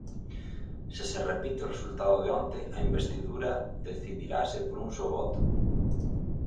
Se se repite o resultado de onte, a investidura decidirase por un só voto.